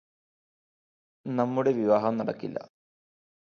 നമ്മുടെ വിവാഹം നടക്കില്ലാ